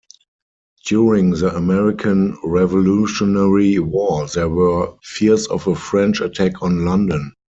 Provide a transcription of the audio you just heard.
During the American Revolutionary War there were fears of a French attack on London.